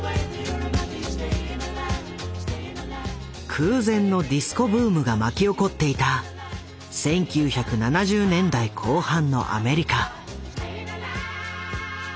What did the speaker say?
空前のディスコ・ブームが巻き起こっていた１９７０年代後半のアメリカ。